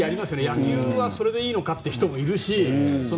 野球はそれでいいのかっていう人もいるし。